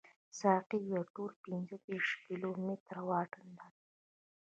ساقي وویل ټول پنځه دېرش کیلومتره واټن لري.